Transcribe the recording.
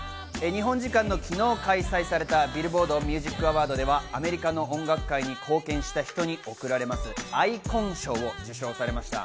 日本時間の昨日開催されたビルボード・ミュージック・アワードではアメリカの音楽界に貢献した人に贈られます、アイコン賞を受賞されました。